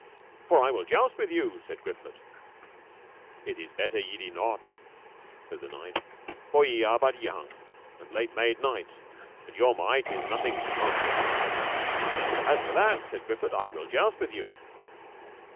For I will joust with you, said Griflet. It is better ye do not, said the knight, for ye are but young, and late made knight, and your might is nothing to mine. As for that, said Griflet, I will joust with you.